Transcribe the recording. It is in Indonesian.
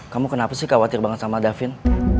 kamu kenapa sih khawatir banget sama davin